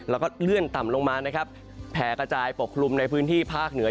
แล้วก็เลื่อนต่ำลงมานะครับแผ่กระจายปกคลุมในพื้นที่ภาคเหนือ